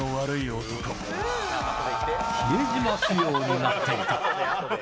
比江島仕様になっていた。